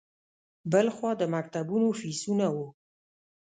بل خوا د مکتبونو فیسونه وو.